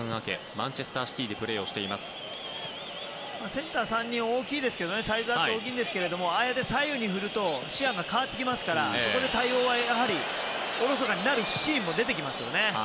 センター３人サイズが大きいですけどああやって左右に振ると視野が変わってくるのでそこで対応はおろそかになるシーンも出てきますよね。